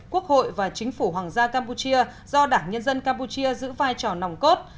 quốc hội và chính phủ hoàng gia campuchia do đảng nhân dân campuchia giữ vai trò nòng cốt